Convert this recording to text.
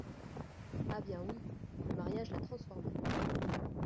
Ah bien oui ! le mariage l’a transformée !